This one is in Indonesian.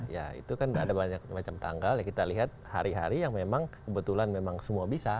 ya itu kan ada banyak macam tanggal ya kita lihat hari hari yang memang kebetulan memang semua bisa